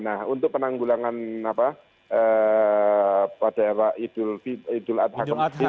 nah untuk penanggulangan apa pada era idul adha